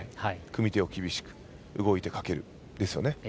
組み手を厳しく動いてかけるですよね。